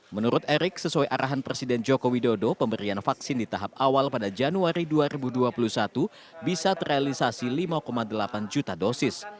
menurut erick sesuai arahan presiden joko widodo pemberian vaksin di tahap awal pada januari dua ribu dua puluh satu bisa terrealisasi lima delapan juta dosis